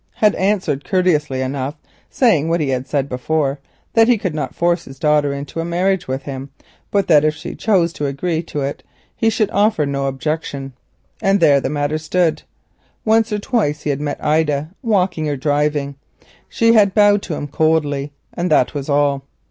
He said what he had said before, that he could not force his daughter into a marriage with him, but that if she chose to agree to it he should offer no objection. And there the matter stood. Once or twice Edward had met Ida walking or driving. She bowed to him coldly and that was all.